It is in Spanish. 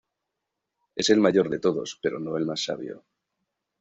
Es el más mayor de todos, pero no el más sabio.